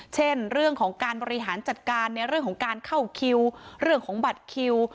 เช่นเรื่องของการบริหารจัดการในเรื่องของการเข้าคิวเรื่องของบัตรคิว